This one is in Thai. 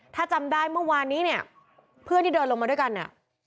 ถ้าจำได้เมื่อวานนี้เนี่ยเพื่อนที่เดินลงมาด้วยกันเนี่ย